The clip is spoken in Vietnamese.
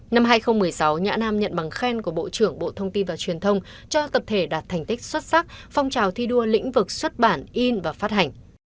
năm hai nghìn một mươi sáu nhã nam nhận bằng khen của bộ trưởng bộ thông tin và truyền thông cho tập thể đạt thành tích xuất sắc phong trào thi đua lĩnh vực xuất bản in và phát hành